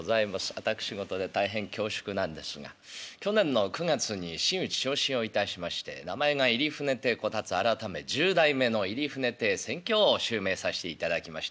私事で大変恐縮なんですが去年の９月に真打ち昇進をいたしまして名前が入船亭小辰改め十代目の入船亭扇橋を襲名させていただきました。